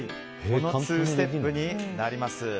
この２ステップになります。